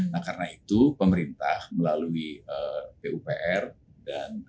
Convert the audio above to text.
nah karena itu pemerintah melalui pupr dan